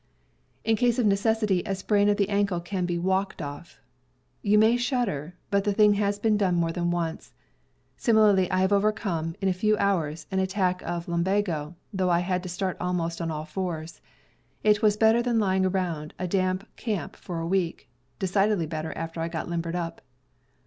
In case of necessity, a sprain of the ankle can be ivalked off. You may shudder, but the thing has been done more than once. Similarly I have overcome, in a few hours, an attack of lumbago, though I had to start almost on all fours. It was better than lying around a damp camp for a week — decidedly better after I got limbered up.